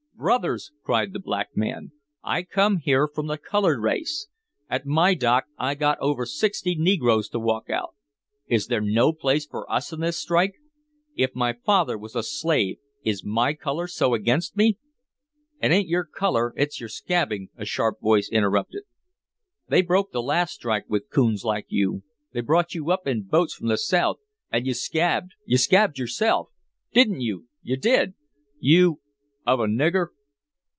"Brothers," cried the black man, "I come here from the colored race. At my dock I got over sixty negroes to walk out. Is there no place for us in this strike? If my father was a slave, is my color so against me?" "It ain't your color, it's your scabbing," a sharp voice interrupted. "They broke the last strike with coons like you. They brought you up in boats from the South. And you scabbed you scabbed yourself! Didn't you? You did! You of a nigger!"